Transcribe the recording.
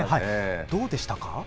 どうでしたか。